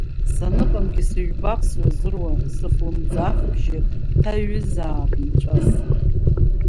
Саныҟамгьы сыжәбап суазыруа, сыхлымӡаахбжьы ҭаҩҩызаап инҵәаз.